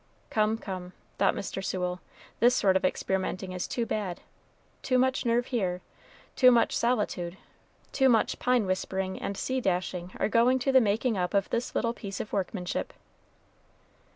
"Come, come," thought Mr. Sewell, "this sort of experimenting is too bad too much nerve here, too much solitude, too much pine whispering and sea dashing are going to the making up of this little piece of workmanship."